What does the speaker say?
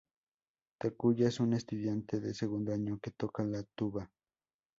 Takuya es un estudiante de segundo año que toca la tuba.